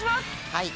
はい。